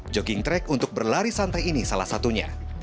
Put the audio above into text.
jogging track untuk berlari santai ini salah satunya